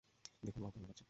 দেখুন ওয়াও কেমন লাগছে?